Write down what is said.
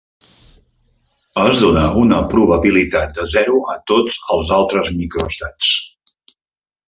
Es dona una probabilitat de zero a tots els altres microestats.